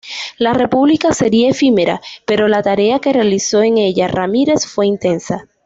La república sería efímera, pero la tarea que realizó en ella Ramírez fue intensa.